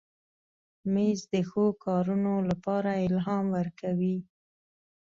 مېز د ښو کارونو لپاره الهام ورکوي.